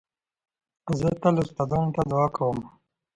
زه تل استادانو ته دؤعا کوم.